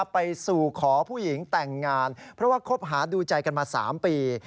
ไปสู่ขอผู้หญิงแต่งงานเพราะว่าคบหาดูใจกันมา๓ปี